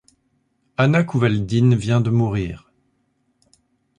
Anna Kouvaldine vient de mourir.